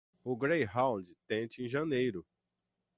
O Greyhound, tente em janeiro.